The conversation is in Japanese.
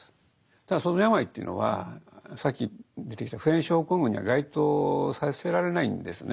ただ創造の病いというのはさっき出てきた普遍症候群には該当させられないんですね。